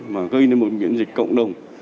mà gây nên một miễn dịch cộng đồng